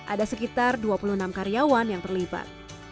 ada sekitar dua puluh enam karyawan yang terlibat